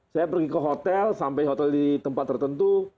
saya pergi ke hotel sampai hotel di tempat tertentu